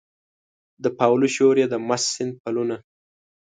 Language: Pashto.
د پاولو شور یې د مست سیند پلونه